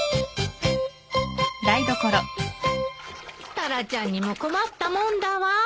タラちゃんにも困ったもんだわ。